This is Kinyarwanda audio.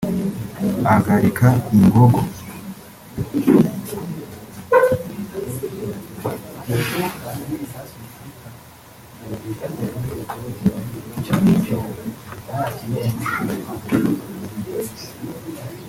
agarika Ingogo